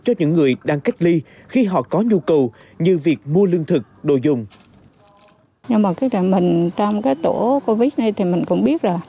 cho những người đang cách ly khi họ có nhu cầu như việc mua lương thực đồ dùng